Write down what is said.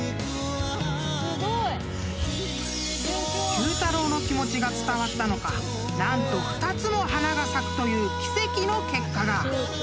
［Ｑ太郎の気持ちが伝わったのか何と２つも花が咲くという奇跡の結果が］